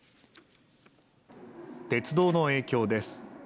鉄道の影響です。